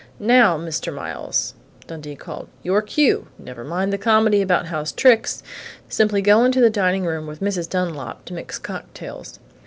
"Now, Mr. Miles!" Dundee called. "Your cue! Never mind the comedy about 'How's tricks?' Simply go into the dining room, with Mrs. Dunlap, to mix cocktails.